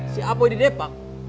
si apoy didepak